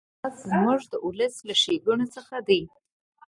د خپلواکۍ احساس زموږ د ولس له ښېګڼو څخه دی.